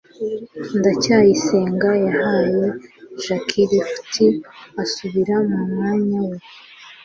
ndacyayisenga yahaye jaki lift asubira mu mwanya we